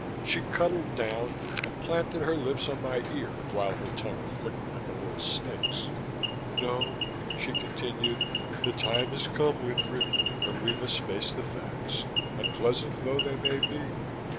She cuddled down and planted her lips on my ear while her tongue flicked like a little snake's. "No," she continued, "the time has come, Winfred, when we must face the facts, unpleasant though they may be.